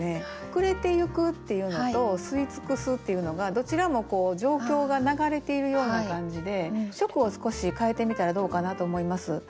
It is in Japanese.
「暮れてゆく」っていうのと「吸い尽くす」っていうのがどちらも状況が流れているような感じで初句を少し変えてみたらどうかなと思います。